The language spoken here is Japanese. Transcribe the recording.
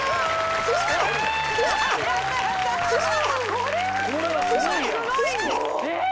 これはすごい！えっ？